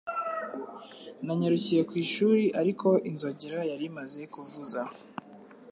Nanyarukiye ku ishuri ariko inzogera yari imaze kuvuza